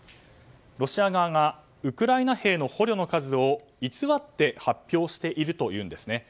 ロシア側がウクライナ兵の捕虜の数を偽って発表しているというんですね。